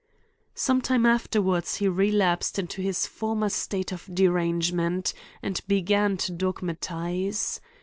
Some time afterwards he relapsed into his form er state of derangement, and began to dogmutize.